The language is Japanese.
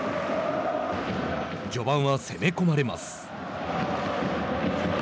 序盤は攻め込まれます。